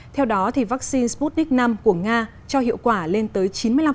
theo đó vaccine sputnik v của nga cho hiệu quả lên tới chín mươi năm